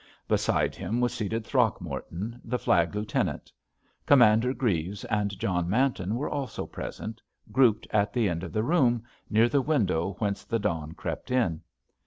Beside him was seated Throgmorton, the Flag Lieutenant. Commander Greaves and John Manton were also present, grouped at the end of the room, near the window whence the dawn crept in.